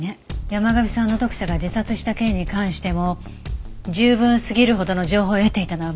山神さんの読者が自殺した件に関しても十分すぎるほどの情報を得ていたのは間違いないわ。